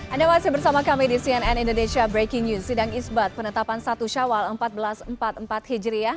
anda masih bersama kami di cnn indonesia breaking news sidang isbat penetapan satu syawal seribu empat ratus empat puluh empat hijriah